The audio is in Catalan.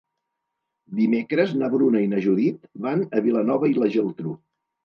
Dimecres na Bruna i na Judit van a Vilanova i la Geltrú.